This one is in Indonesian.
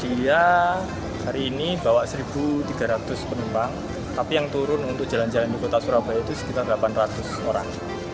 dia hari ini bawa satu tiga ratus penumpang tapi yang turun untuk jalan jalan di kota surabaya itu sekitar delapan ratus orang